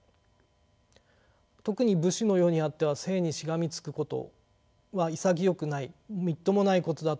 特に武士の世にあっては生にしがみつくことは潔くないみっともないことだとされていました。